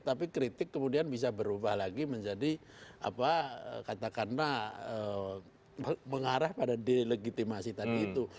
tapi kritik kemudian bisa berubah lagi menjadi apa katakanlah mengarah pada delegitimasi tadi itu